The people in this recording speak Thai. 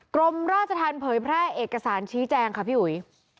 กรมราชธรรมเผยแพร่เอกสารชี้แจงค่ะพี่อุ๋ย